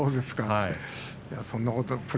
いやいや、そんなことは。